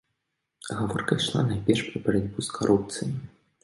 Гаворка ішла найперш пра барацьбу з карупцыяй.